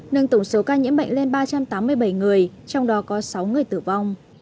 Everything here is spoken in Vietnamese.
nâng tổng số ca nhiễm bệnh lên ba trăm tám mươi bảy người trong đó có sáu người tử vong